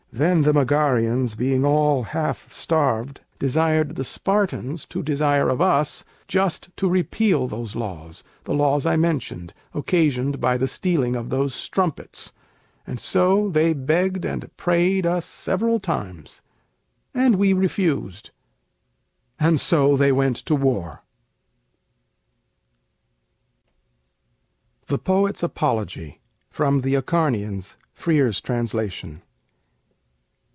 Then the Megarians, being all half starved, Desired the Spartans to desire of us Just to repeal those laws: the laws I mentioned, Occasioned by the stealing of those strumpets. And so they begged and prayed us several times; And we refused: and so they went to war. THE POET'S APOLOGY From 'The Acharnians': Frere's Translation.